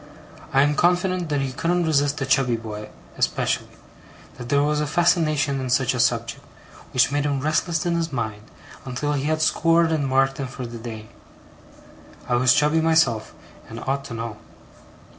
I am confident that he couldn't resist a chubby boy, especially; that there was a fascination in such a subject, which made him restless in his mind, until he had scored and marked him for the day. I was chubby myself, and ought to know.